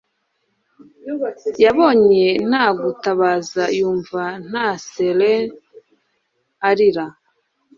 Yabonye nta gutabaza yumva nta siren arira